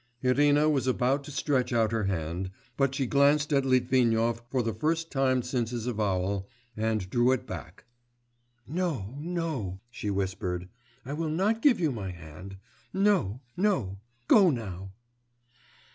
Irina was about to stretch out her hand, but she glanced at Litvinov for the first time since his avowal, and drew it back. 'No, no,' she whispered, 'I will not give you my hand. No ... no. Go now.